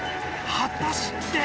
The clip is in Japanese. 果たして。